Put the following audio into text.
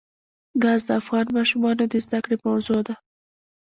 ګاز د افغان ماشومانو د زده کړې موضوع ده.